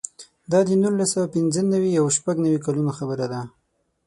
دا د نولس سوه پنځه نوې او شپږ نوې کلونو خبره ده.